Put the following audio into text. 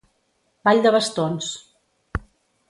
Ball de bastons.